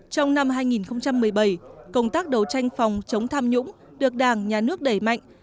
trong năm hai nghìn một mươi bảy công tác đấu tranh phòng chống tham nhũng được đảng nhà nước đẩy mạnh